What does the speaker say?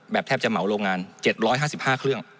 แทบจะเหมาโรงงาน๗๕๕เครื่อง